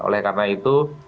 oleh karena itu